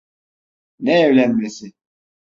Ne evlenmesi?